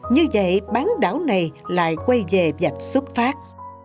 như vậy bán đảo này lại quay về dạch xuất phát